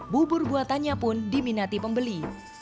bubur buatannya pun diminati pembeli